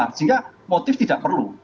sehingga motif tidak perlu